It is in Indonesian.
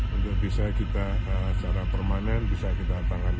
untuk bisa kita secara permanen bisa kita tangani